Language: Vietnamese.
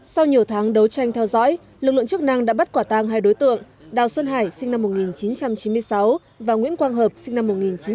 sau nhiều tháng đấu tranh theo dõi lực lượng chức năng đã bắt quả tang hai đối tượng đào xuân hải sinh năm một nghìn chín trăm chín mươi sáu và nguyễn quang hợp sinh năm một nghìn chín trăm tám mươi